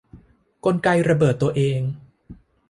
กลไกระเบิดตัวเอง